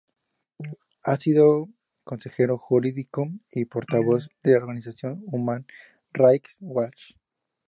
Ha sido consejero jurídico y portavoz de la organización Human Rights Watch.